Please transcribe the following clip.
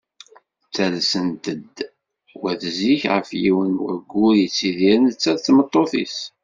Ttalsen-d wat zik ɣef yiwen n waggur yettidir netta d tmeṭṭut-is.